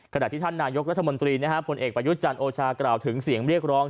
ขณะที่ท่านนายกรัฐมนตรีพลเอกประยุทธ์จันทร์โอชากล่าวถึงเสียงเรียกร้อง